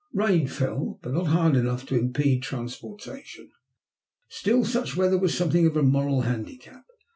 Rain fell, but not hard enough to impede transportation. Still, such weather was something of a moral handicap.